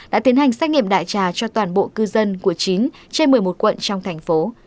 đã tiến hành xét nghiệm đại trà cho toàn bộ cư dân của chín trên một mươi một quận trong thành phố